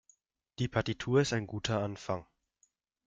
Die Partitur ist ein guter Anfang.